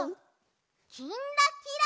「きんらきら」。